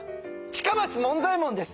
近松門左衛門です！